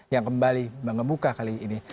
yang kembali mengemuka kali ini